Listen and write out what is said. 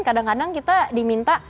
kadang kadang kita diminta